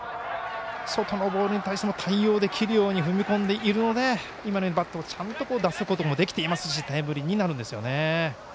外のボールに対しても対応できるように踏み込んでいるので今のようにバットをちゃんと出すことができていますしタイムリーになるんですよね。